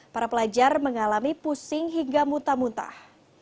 para pelajar mengalami pusing hingga muntah muntah